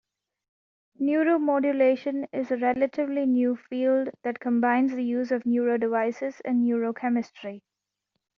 Neuromodulation is a relatively new field that combines the use of neurodevices and neurochemistry.